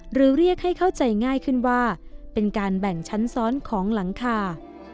เรียกให้เข้าใจง่ายขึ้นว่าเป็นการแบ่งชั้นซ้อนของหลังคา